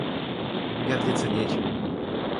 Гордиться нечем.